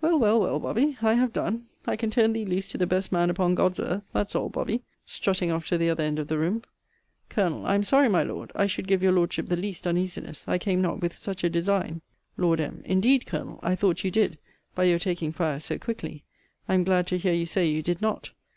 Well, well, well, Bobby, I have done. I can turn thee loose to the best man upon God's earth; that's all, Bobby; strutting off to the other end of the room. Col. I am sorry, my Lord, I should give your Lordship the least uneasiness. I came not with such a design. Lord M. Indeed, Colonel, I thought you did, by your taking fire so quickly. I am glad to hear you say you did not.